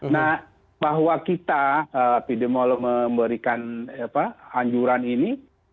nah bahwa kita epidemiolog memberikan anjuran ini